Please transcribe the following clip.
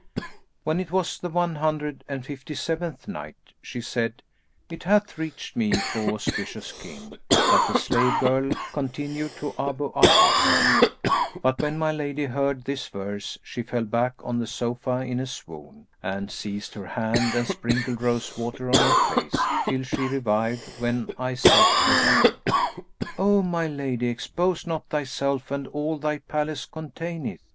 When it was the One Hundred and Fifty seventh Night, She said, It hath reached me, O auspicious King, that the slave girl continued to Abu al Hasan, "But when my lady heard this verse, she fell back on the sofa in a swoon, and I seized her hand and sprinkled rose water on her face, till she revived, when I said to her, 'O my lady, expose not thyself and all thy palace containeth.